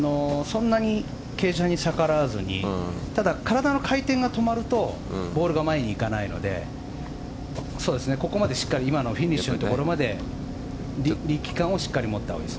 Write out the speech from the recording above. そんなに形状に逆らわずに体の回転が止まるとボールが前に行かないのでここまでしっかり今のフィニッシュのところまで力感をしっかり持った方がいい。